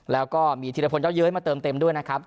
แล้วก็มีธีรพลเจ้าเย้ยมาเติมเต็มด้วยนะครับ